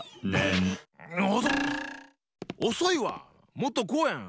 もっとこうやん！